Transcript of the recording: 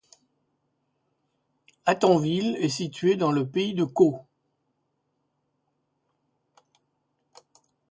Hattenville est située dans le pays de Caux.